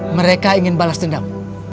mereka ingin balas dendam